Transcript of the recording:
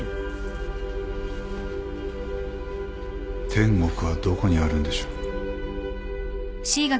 テンゴクはどこにあるんでしょう。